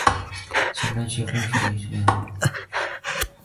行政区划属于冲绳县宫古岛市。